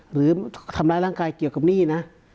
หรือทำร้ายร่างกายเกี่ยวกับหนี้นะ